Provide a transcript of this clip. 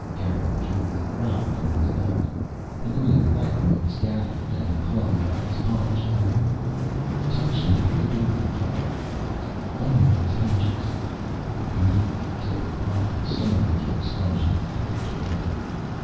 Garin drew the rod from his belt. The green light motes gathered and clung about its polished length. "Touch not the door," Thrala advised; "only its hinges." Beneath the tip of the rod the stone became spongy and flaked away.